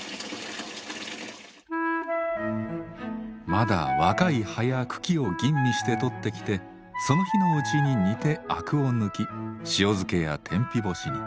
まだ若い葉や茎を吟味して採ってきてその日のうちに煮てあくを抜き塩漬けや天日干しに。